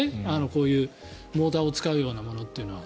こういうモーターを使うようなものというのは。